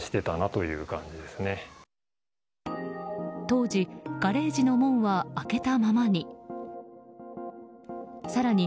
当時、ガレージの門は開けたままに。